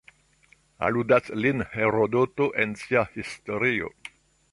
Aludas lin Herodoto en sia Historio.